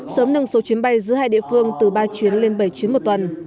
sớm nâng số chuyến bay giữa hai địa phương từ ba chuyến lên bảy chuyến một tuần